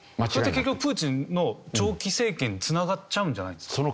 それって結局プーチンの長期政権に繋がっちゃうんじゃないですか？